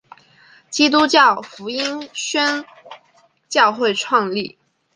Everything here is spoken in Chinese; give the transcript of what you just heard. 基督教福音宣教会创立。